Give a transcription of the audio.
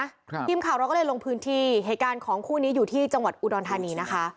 ทีมข่าวเราก็เลยลงพื้นที่เหตุการณ์ของคู่นี้อยู่ที่จังหวัดอุดรธานีนะคะ